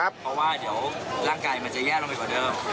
เพราะว่าเดี๋ยวร่างกายมันจะแย่ลงไปกว่าเดิม